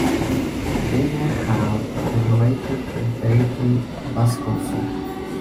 They may have venerated the deity Busgosu.